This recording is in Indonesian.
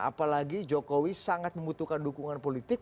apalagi jokowi sangat membutuhkan dukungan politik